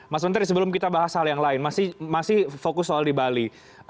mas menteri sebelum kita bahas hal yang lain masih fokus soal di bali